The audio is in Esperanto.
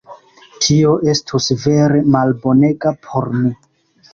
Tio estus vere malbonega por ni.